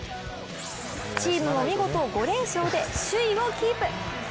チームも見事５連勝で首位をキープ。